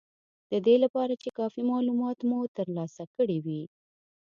د دې لپاره چې کافي مالومات مو ترلاسه کړي وي